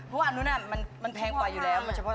เพราะอันนู้นมันแพงกว่าอยู่แล้ว